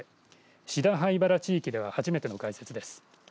志太榛原地域では初めての開設です。